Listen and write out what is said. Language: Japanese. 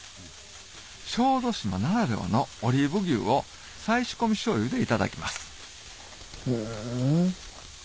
小豆島ならではのオリーブ牛を再仕込み醤油でいただきますん。